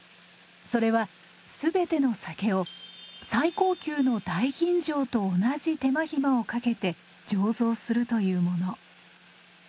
それはすべての酒を最高級の大吟醸と同じ手間暇をかけて醸造するというもの。